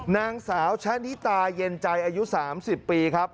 นางสาวชะนิตาเย็นใจอายุ๓๐ปีครับ